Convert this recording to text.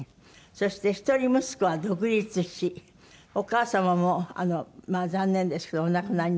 そして一人息子は独立しお母様も残念ですけどお亡くなりになったりして。